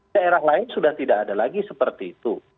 daerah lain sudah tidak ada lagi seperti itu